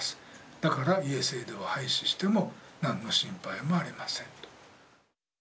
だから家制度は廃止しても何の心配もありませんと。